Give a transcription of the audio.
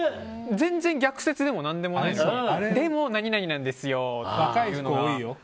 全然逆説でも何でもないのにでも何々なんですよっていうのが。